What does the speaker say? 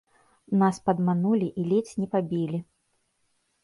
Нас падманулі і ледзь не пабілі.